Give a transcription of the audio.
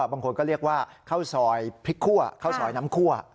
บางคนก็เรียกว่าข้าวซอยพริกคั่วข้าวซอยน้ำคั่ว